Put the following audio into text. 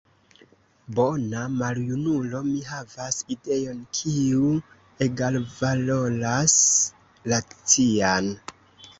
«Bona maljunulo», mi havas ideon, kiu egalvaloras la cian.